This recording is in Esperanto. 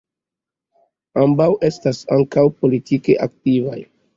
Ambaŭ estas ankaŭ politike aktivaj.